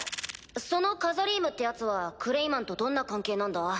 そのカザリームってヤツはクレイマンとどんな関係なんだ？